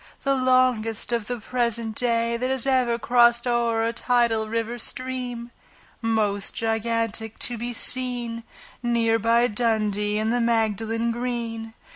The longest of the present day That has ever crossed o'er a tidal river stream, Most gigantic to be seen, Near by Dundee and the Magdalen Green.